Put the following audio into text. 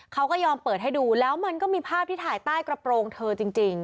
เขาก็ยอมเปิดให้ดูแล้วมันก็มีภาพที่ถ่ายใต้กระโปรงเธอจริง